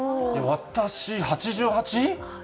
私、８８？